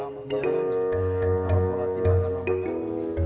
kalau pola tiba karena mau kagum